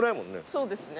そうですね。